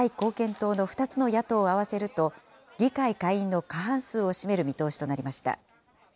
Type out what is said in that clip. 党の２つの野党を合わせると、議会下院の過半数を占める見通しとなりました。